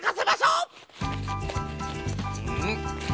うん？